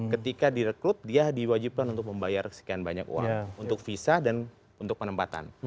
ketika direkrut dia diwajibkan untuk membayar sekian banyak uang untuk visa dan untuk penempatan